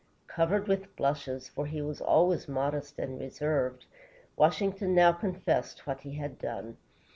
Covered with blushes, for he was always modest and reserved, Washington now confessed what he had done.